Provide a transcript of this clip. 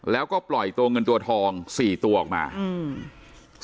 แล้วก็ปล่อยตัวเงินตัวทองสี่ตัวออกมาอืม